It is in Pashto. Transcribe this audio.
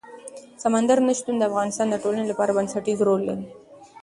سمندر نه شتون د افغانستان د ټولنې لپاره بنسټيز رول لري.